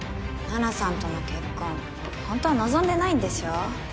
奈々さんとの結婚ほんとは望んでないんでしょ？